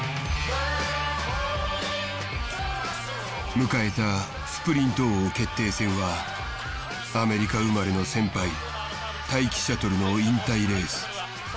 迎えたスプリント王決定戦はアメリカ生まれの先輩タイキシャトルの引退レース。